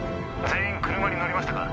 全員車に乗りましたか？